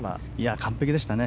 完璧でしたね。